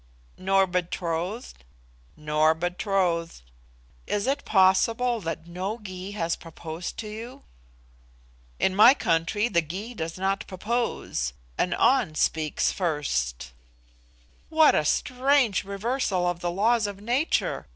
"Nor betrothed?" "Nor betrothed." "Is it possible that no Gy has proposed to you?" "In my country the Gy does not propose; the An speaks first." "What a strange reversal of the laws of nature!"